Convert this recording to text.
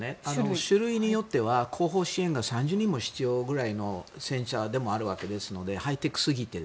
種類によっては後方支援が３０人も必要なくらいの戦車であるわけですのでハイテクすぎて。